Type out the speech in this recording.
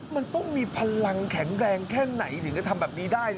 มันต้องมีพลังแข็งแรงแค่ไหนถึงจะทำแบบนี้ได้